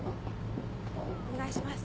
お願いします。